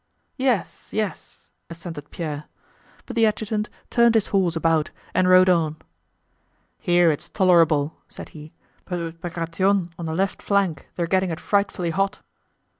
"Yes, yes," assented Pierre. But the adjutant turned his horse about and rode on. "Here it's tolerable," said he, "but with Bagratión on the left flank they're getting it frightfully hot."